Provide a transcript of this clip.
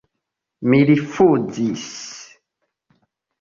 Mi rifuzis.